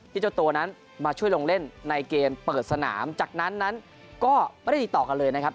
เจ้าตัวนั้นมาช่วยลงเล่นในเกมเปิดสนามจากนั้นนั้นก็ไม่ได้ติดต่อกันเลยนะครับ